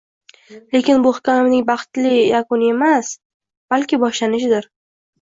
Lekin bu hikoyamning baxtli yakuni emas, balki boshlanishidir